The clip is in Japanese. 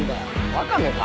ワカメか！